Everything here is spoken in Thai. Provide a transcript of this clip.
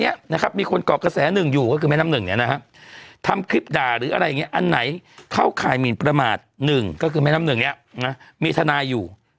อันไหนเขาขายหมีนประมาทหนึ่งก็คือแม่น้ำหนึ่งเนี่ยมีทนายอยู่